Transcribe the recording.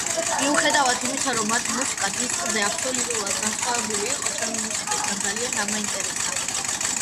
მიუხედავად იმისა, რომ მათი მუსიკა დისკზე აბსოლუტურად განსხვავებული იყო ჩემი მუსიკისგან, ძალიან დამაინტერესა.